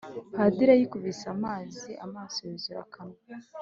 padiri ayikubise amazi amaso yuzura akanwa,